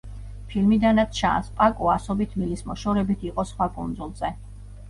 ფილმიდანაც ჩანს, პაკო ასობით მილის მოშორებით იყო სხვა კუნძულზე.